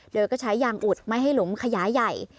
โดยก็ใช้ยางอุดไม่ให้หลุมขยายใหญ่